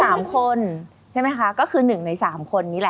เรามี๓คนใช่ไหมครับก็คือหนึ่งใน๓คนนี้ล่ะ